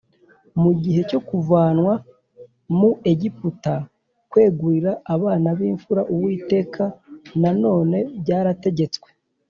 Mu gihe cyo kuvanwa mu Egiputa, kwegurira abana b’imfura Uwiteka na none byarategetswe